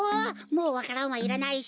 もうわか蘭はいらないし。